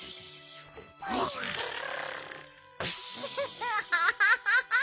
アハハハハハ！